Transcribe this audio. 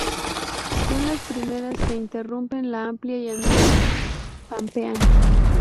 Son las primeras que irrumpen la amplia llanura Pampeana.